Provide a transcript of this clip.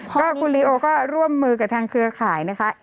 ก็คุณลีโอก็ร่วมมือกับทางเครือขายนะคะ